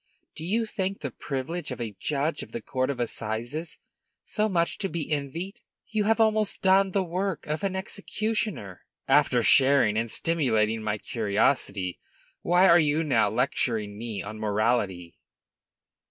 Do you think the privilege of a judge of the court of assizes so much to be envied? You have almost done the work of an executioner." "After sharing and stimulating my curiosity, why are you now lecturing me on morality?"